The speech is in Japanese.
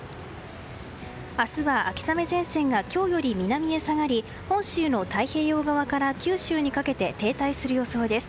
明日は秋雨前線が今日より南へ下がり本州の太平洋側から九州にかけて停滞する予想です。